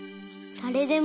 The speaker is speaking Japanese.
だれでも？